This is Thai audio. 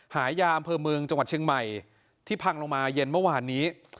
หายาอำเภอเมืองจังหวัดเชียงใหม่ที่พังลงมาเย็นเมื่อวานนี้